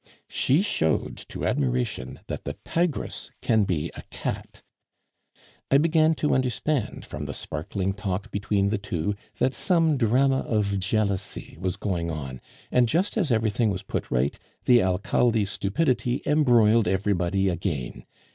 She showed to admiration that the tigress can be a cat. I began to understand, from the sparkling talk between the two, that some drama of jealousy was going on; and just as everything was put right, the Alcalde's stupidity embroiled everybody again.